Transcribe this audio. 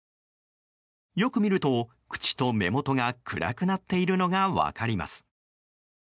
よく見ると、口と目元が暗くなっているのが分かります。